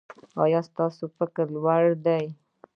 ایا ستاسو فکر لوړ دی؟